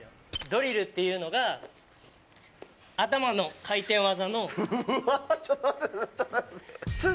ドリルっていうのが頭の回転技の。